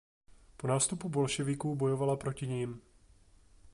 Po nástupu bolševiků bojovala proti nim.